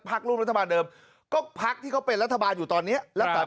อันพักร่วมรัฐบาลเดิมก็ผักที่ก็เป็นรัฐบาลอยู่ตอนนี้